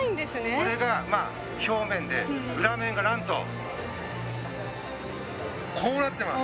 これがまあ表面で裏面がなんとこうなってます！